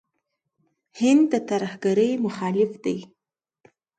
هند د ترهګرۍ مخالف دی.